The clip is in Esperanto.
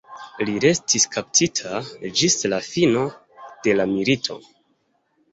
Li restis kaptita ĝis la fino de la milito.